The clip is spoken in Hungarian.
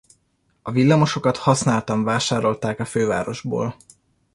A villamosokat használtan vásárolták a fővárosból.